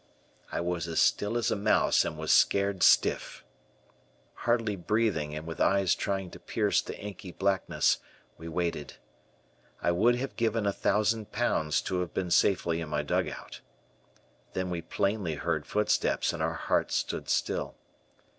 I was as still as a mouse and was scared stiff. Hardly breathing and with eyes trying to pierce the inky blackness, we waited. I would have given a thousand pounds to have been safely in my dugout. Then we plainly heard footsteps and our hearts stood still.